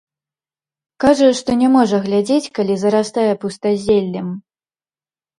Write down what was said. Кажа, што не можа глядзець, калі зарастае пустазеллем.